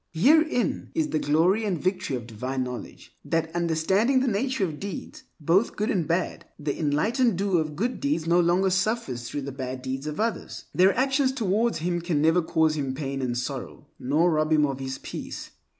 Herein is the glory and victory of divine knowledge, that understanding the nature of deeds, both good and bad, the enlightened doer of good deeds no longer suffers through the bad deeds of others. Their actions towards him can never cause him pain and sorrow, nor rob him of his peace.